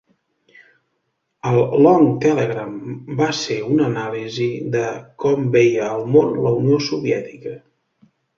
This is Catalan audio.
El "Long Telegram" va ser una anàlisi de com veia el món la Unió Soviètica.